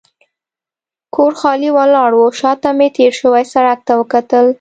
کور خالي ولاړ و، شا ته مې تېر شوي سړک ته وکتل.